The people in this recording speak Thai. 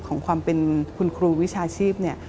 ของความเป็นคุณครูวิชาชีพเนี่ย